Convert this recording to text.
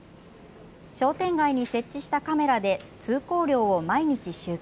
商店街に設置したカメラで通行量を毎日、集計。